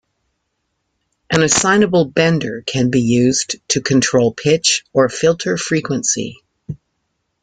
An assignable bender can be used to control pitch or filter frequency.